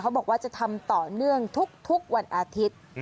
บอกว่าจะทำต่อเนื่องทุกวันอาทิตย์